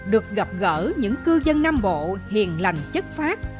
được gặp gỡ những cư dân nam bộ hiền lành chất phát